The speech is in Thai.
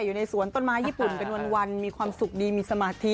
อยู่ในสวนต้นไม้ญี่ปุ่นเป็นวันมีความสุขดีมีสมาธิ